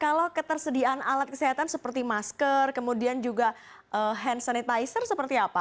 kalau ketersediaan alat kesehatan seperti masker kemudian juga hand sanitizer seperti apa